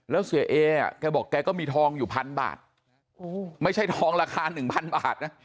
แล้วเสียเอแกบอกแกก็มีทองอยู่พันบาทไม่ใช่ทองราคา๑๐๐บาทนะ